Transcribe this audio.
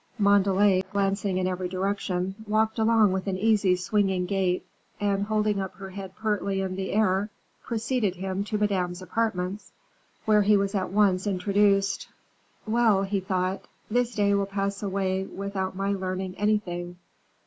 Montalais, glancing in every direction, walking along with an easy swinging gait, and holding up her head pertly in the air, preceded him to Madame's apartments, where he was at once introduced. "Well," he thought, "this day will pass away without my learning anything.